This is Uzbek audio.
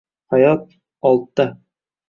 Hayot oldda…